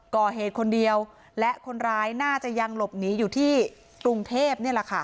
ก่อเหตุคนเดียวและคนร้ายน่าจะยังหลบหนีอยู่ที่กรุงเทพนี่แหละค่ะ